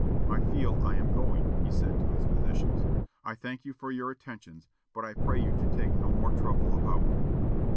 "I feel I am going," he said to his physicians. "I thank you for your attentions, but I pray you to take no more trouble about me."